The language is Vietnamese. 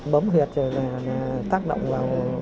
bấm huyệt rồi là tác động vào